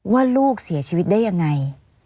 ว่าลูกเสียชีวิตได้ยังไง